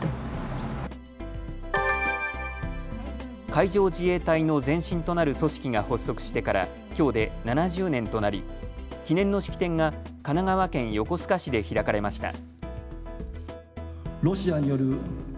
海上自衛隊の前身となる組織が発足してから、きょうで７０年となり記念の式典が神奈川県横須賀市で開かれました。